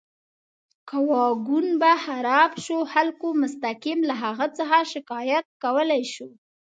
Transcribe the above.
که واګون به خراب شو، خلکو مستقیم له هغه څخه شکایت کولی شو.